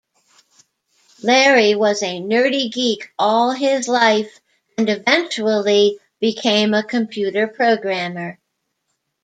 Larry was a nerdy geek all his life and eventually became a computer programmer.